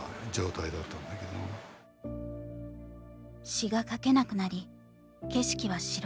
詞が書けなくなり景色は白黒。